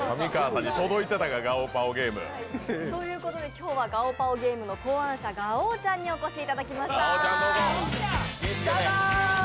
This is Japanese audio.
今日は「ガオパオゲーム」の考案者、ガオちゃんにお越しいただきました。